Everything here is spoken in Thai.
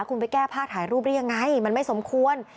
คุณไปแก้ผ้าถ่ายรูปได้ยังไงมันไม่สมควร